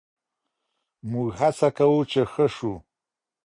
موږ هڅه کوو چې ښه شو.